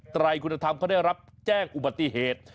ไรคุณธรรมเขาได้รับแจ้งอุบัติเหตุ